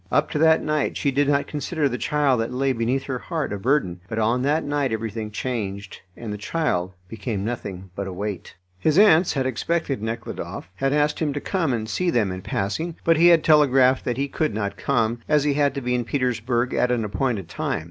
Up to that night she did not consider the child that lay beneath her heart a burden. But on that night everything changed, and the child became nothing but a weight. His aunts had expected Nekhludoff, had asked him to come and see them in passing, but he had telegraphed that he could not come, as he had to be in Petersburg at an appointed time.